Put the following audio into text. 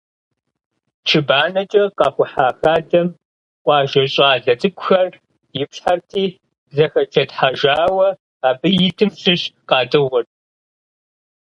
Чы банэкӏэ къэхухьа хадэм къуажэ щӏалэ цӏыкӏухэр ипщхьэрти, зэхэчэтхъэжауэ абы итым щыщ къадыгъурт.